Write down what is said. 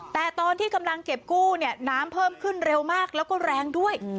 แต่ตอนที่กำลังเก็บกู้เนี่ยน้ำเพิ่มขึ้นเร็วมากแล้วก็แรงด้วย